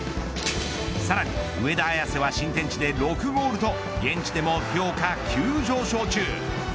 さらに上田綺世は新天地で６ゴールと現地でも評価急上昇中。